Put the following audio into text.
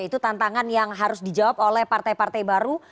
jadi itu adalah hal yang harus dijawab oleh partai partai baru